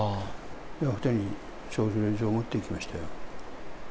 ２人に召集令状を持っていきましたよ。